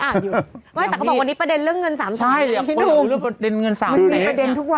แต่เขาบอกวันนี้ประเด็นเรื่องเงิน๓ของผู้ใดไม่รู้